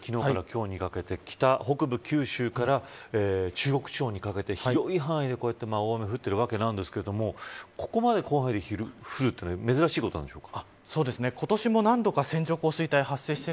天達さん昨日から今日にかけて北部、九州から中国地方にかけて広い範囲でこうやって大雨が降っているわけですがここまで広範囲で降るというのは珍しいことなんでしょうか。